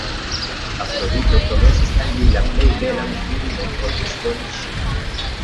Afrodito promesis al li la plej belan virinon por voĉdoni ŝin.